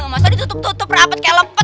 masa ditutup tutup rapet kayak lempet